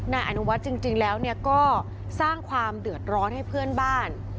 นายอนุวัฒน์จริงแล้วก็สร้างความเดือดร้อนให้เพื่อนบ้าน